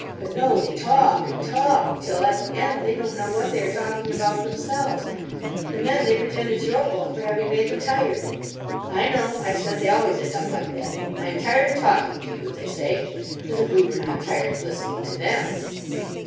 But no, they talk and talk, till at the end they don't know what they are talking about themselves, and then they pretend it's your fault for having made them tired." "I know," I said, "they always end up like that. 'I am tired of talking to you,' they say—as if we were not tired of listening to them!"